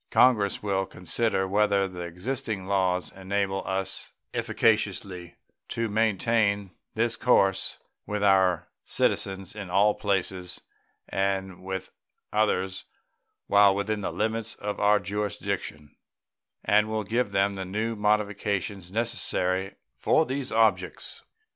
Congress will consider whether the existing laws enable us efficaciously to maintain this course with our citizens in all places and with others while within the limits of our jurisdiction, and will give them the new modifications necessary for these objects.